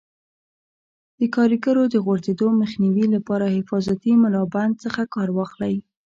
د کاریګرو د غورځېدو مخنیوي لپاره حفاظتي ملابند څخه کار واخلئ.